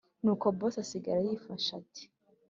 nuko boss asigara yifashe ati